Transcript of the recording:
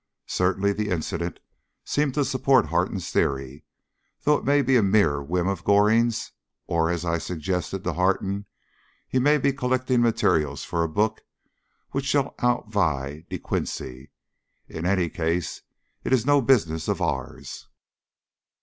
Certainly the incident seems to support Harton's theory, though it may be a mere whim of Gorings, or, as I suggested to Harton, he may be collecting materials for a book which shall outvie De Quincey. In any case it is no business of ours.